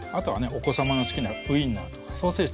お子さまの好きなウインナーとかソーセージとかね